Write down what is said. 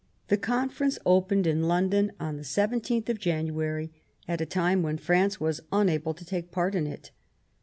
The Confer ence opened in London on the 17th of January, at a time when France was unable to take part in it.